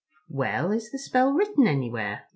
"Well, is the spell written anywhere?"